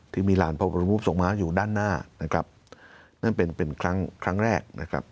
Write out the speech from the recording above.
ที่มีหลานพระบรมภูมิส่งมาอยู่ด้านหน้านั่นเป็นครั้งแรก